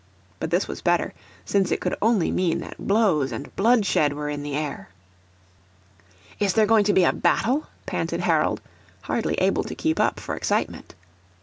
But this was better, since it could only mean that blows and bloodshed were in the air. "Is there going to be a battle?" panted Harold, hardly able to keep up for excitement.